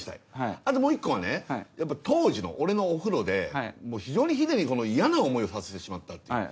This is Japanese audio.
あともう１個はね当時の俺のお風呂で非常にヒデに嫌な思いをさせてしまったっていう。